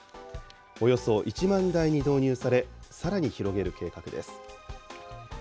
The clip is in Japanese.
およそ１万台に導入され、さらに広げる計画です。